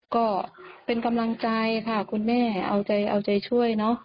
ก็เป็นกำลังใจค่ะคุณแม่เอาใจช่วยเนอะ